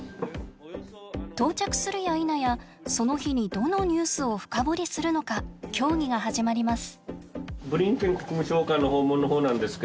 到着するやいなやその日にどのニュースを深掘りするのか協議が始まります。